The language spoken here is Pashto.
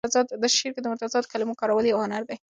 په شعر کې د متضادو کلمو کارول یو هنر دی.